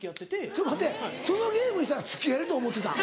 ちょっと待てそのゲームしたら付き合えると思ってたん？